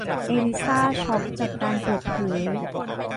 เอลิซ่าช็อคจากการเปิดเผย